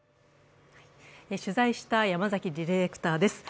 取材した山崎ディレクターです。